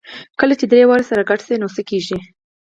کله چې درې واړه سره ګډ شي نو څه کېږي؟